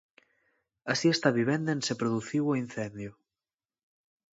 Así está a vivenda en se produciu o incendio.